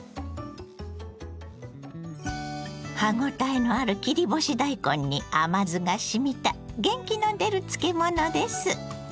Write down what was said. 歯ごたえのある切り干し大根に甘酢がしみた元気の出る漬物です。